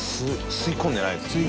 吸い込んでないもんね。